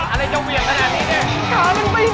อะไรเจ้าเวียงขนาดนี้นี่